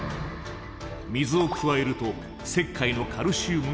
水を加えると石灰のカルシウムが溶け出す。